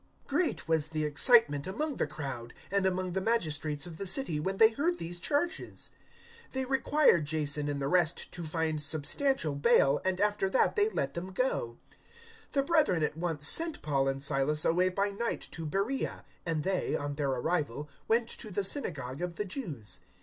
017:008 Great was the excitement among the crowd, and among the magistrates of the city, when they heard these charges. 017:009 They required Jason and the rest to find substantial bail, and after that they let them go. 017:010 The brethren at once sent Paul and Silas away by night to Beroea, and they, on their arrival, went to the synagogue of the Jews.